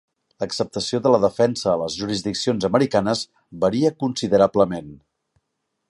L"acceptació de la defensa a les jurisdiccions americanes varia considerablement.